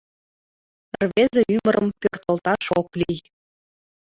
Рвезе ӱмырым пӧртылташ ок лий